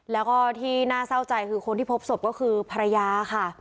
แล้วก็ที่น่าเศร้าใจคือคนที่พบศพก็คือภรรยาค่ะ